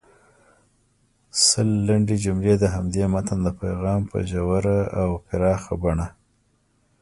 سل لنډې جملې د همدې متن د پیغام په ژوره او پراخه بڼه